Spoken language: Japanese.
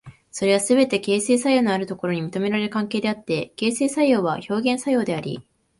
それはすべて形成作用のあるところに認められる関係であって、形成作用は表現作用であり、